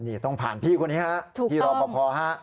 นี่ต้องผ่านพี่คนนี้ฮะพี่รอปภฮะ